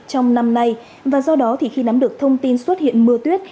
trong năm nay và do đó thì khi nắm được thông tin xuất hiện mưa tuyết